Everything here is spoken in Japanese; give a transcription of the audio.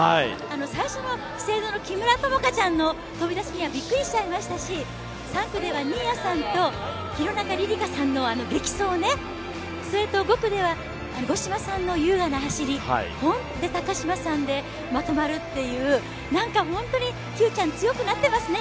最初の資生堂の木村友香ちゃんの飛び出しにはびっくりしちゃいましたし３区では新谷さんと廣中璃梨佳さんの激走ね、それと５区では五島さんの優雅な走り、それで高島さんでまとまるっていうＱちゃん、日本は強くなってますね。